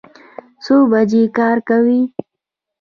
څو بجې کار کوئ؟